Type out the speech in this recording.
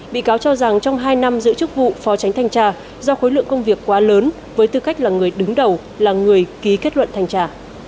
bị cáo cho rằng trong hai năm giữ chức vụ phó tránh thanh tra do khối lượng công việc quá lớn với tư cách là người đứng đầu là người ký kết luận thanh tra